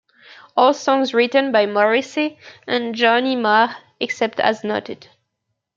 All songs written by Morrissey and Johnny Marr except as noted.